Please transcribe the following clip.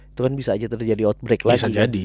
itu kan bisa aja terjadi outbreak lagi